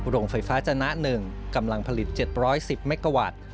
โรงไฟฟ้าจนะ๑กำลังผลิต๗๑๐เมกาวัตต์